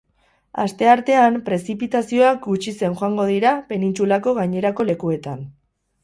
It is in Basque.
Asteartean, prezipitazioak gutxitzen joango dira penintsulako gainerako lekuetan.